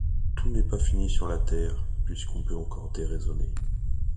Tout n'est pas fini sur la terre, puisqu'on peut encore déraisonner.